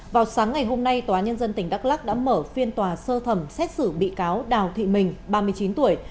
vào sáng ngày hôm nay tòa nhân dân tỉnh đắk lắc đã mở phiên tòa sơ thẩm xét xử bị cáo đào thị mình ba mươi chín tuổi